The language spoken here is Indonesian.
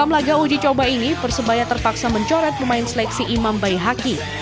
dalam laga uji coba ini persebaya terpaksa mencoret pemain seleksi imam bayi haki